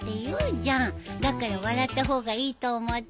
だから笑った方がいいと思って。